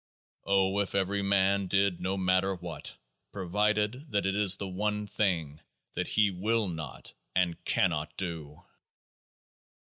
O if everyman did No Matter What, provided that it is the one thing that he will not and cannot do